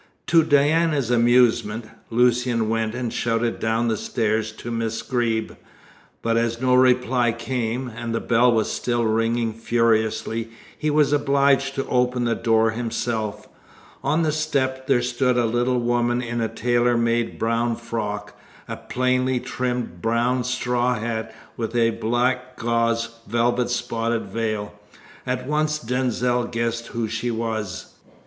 To Diana's amusement, Lucian went and shouted down the stairs to Miss Greeb, but as no reply came, and the bell was still ringing furiously, he was obliged to open the door himself. On the step there stood a little woman in a tailor made brown frock, a plainly trimmed brown straw hat with a black gauze velvet spotted veil. At once Denzil guessed who she was.